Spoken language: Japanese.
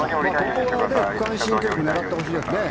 ここは区間新記録を狙ってほしいですね。